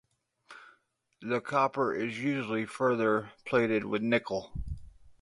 The copper is usually further plated with nickel.